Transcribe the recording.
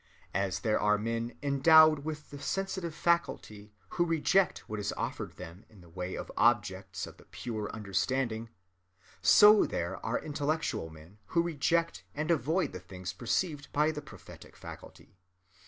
As there are men endowed only with the sensitive faculty who reject what is offered them in the way of objects of the pure understanding, so there are intellectual men who reject and avoid the things perceived by the prophetic faculty.